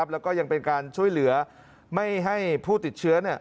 แล้วก็ยังเป็นการช่วยเหลือไม่ให้ผู้ติดเชื้อ